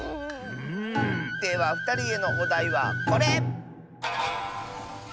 ではふたりへのおだいはこれ！